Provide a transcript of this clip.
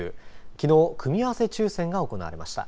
きのう組み合わせ抽選が行われました。